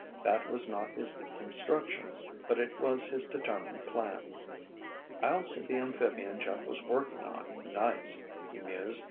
That was not his instructions, but it was his determined plan. "I'll see the amphibian Jeff was working on, nights," he mused.